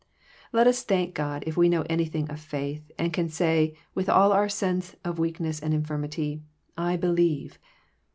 Let 'US thank Grod if we know anything of faith, and can say, with all our sense of weakness and infirmity, *^I believe."